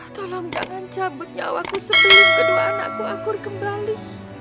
tolong jangan cabut nyawaku sebelum kedua anakku akur kembali